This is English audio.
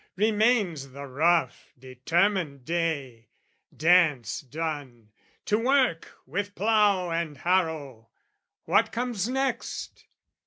Remains the rough determined day: dance done, To work, with plough and harrow! What comes next?